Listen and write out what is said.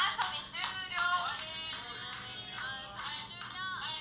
終了。